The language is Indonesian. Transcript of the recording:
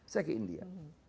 saya ke india